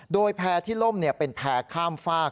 โดยแพร่ที่ล่มเป็นแพร่ข้ามฝาก